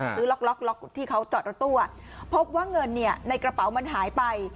ซื้อล็อกที่เขาจอดรถตัวพบว่าเงินในกระเป๋ามันหายไป